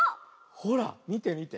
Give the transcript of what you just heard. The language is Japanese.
ほらみてみて。